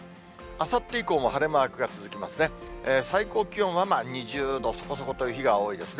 あさって以降も晴れマークが続きますね。